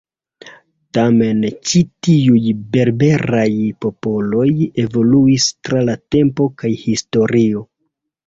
Tamen ĉi tiuj berberaj popoloj evoluis tra la tempo kaj historio.